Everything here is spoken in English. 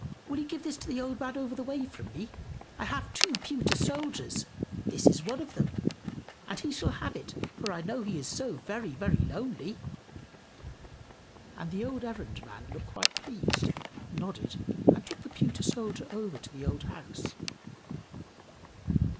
will you give this to the old man over the way from me? I have two pewter soldiers this is one of them, and he shall have it, for I know he is so very, very lonely." And the old errand man looked quite pleased, nodded, and took the pewter soldier over to the old house.